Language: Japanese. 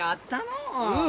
うん！